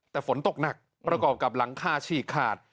แต่ฝนตกหนักประกอบกับหลังคาฉีกขาด